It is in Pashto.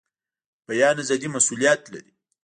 بیان ازادي مسوولیت لري